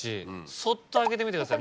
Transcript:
そっと開けてみてください